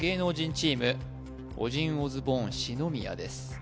チームオジンオズボーン篠宮です